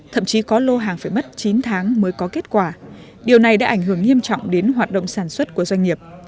thậm chí có lô hàng phải mất chín tháng mới có kết quả điều này đã ảnh hưởng nghiêm trọng đến hoạt động sản xuất của doanh nghiệp